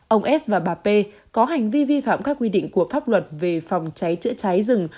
ông s và bà p có hành vi vi phạm các quy định của pháp luật về phòng cháy chữa cháy rừng